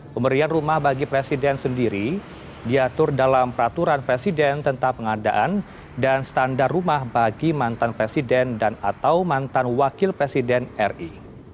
pemberian rumah bagi presiden sendiri diatur dalam peraturan presiden tentang pengadaan dan standar rumah bagi mantan presiden dan atau mantan wakil presiden ri